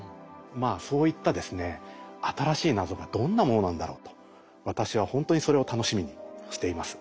そういったですね新しい謎がどんなものなんだろうと私はほんとにそれを楽しみにしています。